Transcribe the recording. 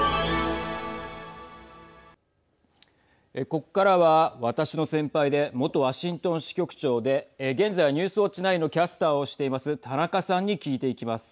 ここからは私の先輩で元ワシントン支局長で現在はニュースウオッチ９のキャスターをしています田中さんに聞いていきます。